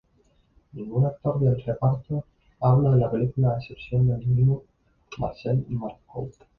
Ningún actor del reparto habla en la película a excepción del mimo Marcel Marceau